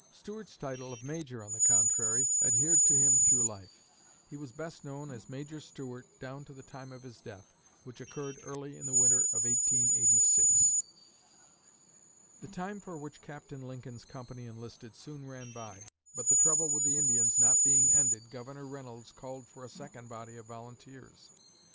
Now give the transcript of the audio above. Stuart's title of "Major," on the contrary, adhered to him through life. He was best known as "Major Stuart" down to the time of his death, which occurred early in the winter of 1886. The time for which Captain Lincoln's company enlisted soon ran by, but the trouble with the Indians not being ended Governor Reynolds called for a second body of volunteers.